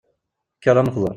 Kker ad nefteṛ.